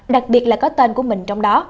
đặc biệt là có tên của mình trong đó